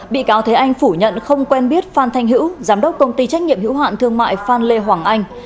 bị cáo thế anh phủ nhận không quen biết phan thanh hữu giám đốc công ty trách nhiệm hữu hạn thương mại phan lê hoàng anh